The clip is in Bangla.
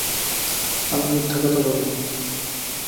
আমি মিথ্যা কথা বলি না।